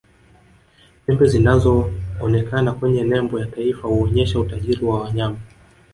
pembe zinazoonekana kwenye nembo ya taifa huonesha utajiri wa wanyama